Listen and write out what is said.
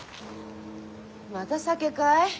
また酒かい？